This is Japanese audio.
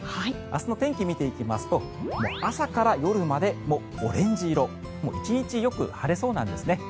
明日の天気見ていきますと朝から夜までオレンジ色１日よく晴れそうなんですね。